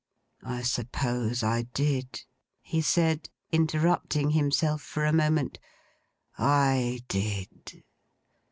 I suppose I did,' he said, interrupting himself for a moment. 'I did!